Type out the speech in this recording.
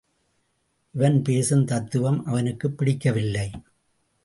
இவன் பேசும் தத்துவம் அவனுக்குப் பிடிக்கவில்லை.